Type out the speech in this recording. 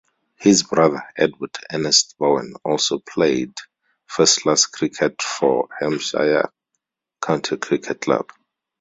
His brother, Edward Ernest Bowen also played first-class cricket for Hampshire County Cricket Club.